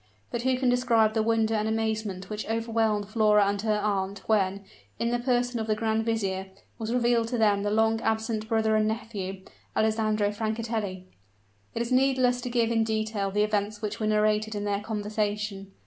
But who can describe the wonder and amazement which overwhelmed Flora and her aunt, when, in the person of the grand vizier, was revealed to them the long absent brother and nephew, Alessandro Francatelli! It is needless to give in detail the events which were narrated in their conversation.